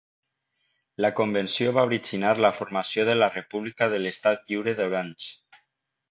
La convenció va originar la formació de la república de l'Estat Lliure d'Orange.